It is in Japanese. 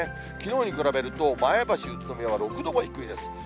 きのうに比べると、前橋、宇都宮は６度も低いです。